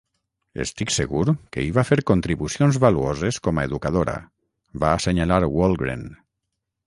"Estic segur que hi va fer contribucions valuoses com a educadora", va assenyalar Walgren.